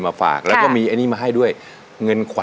แรกก็ชอบคนชายเล็ก